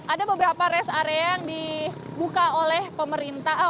ada beberapa rest area yang dibuka oleh pemerintah